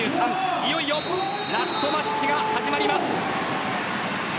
いよいよラストマッチが始まります。